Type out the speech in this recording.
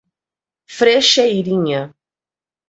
Frecheirinha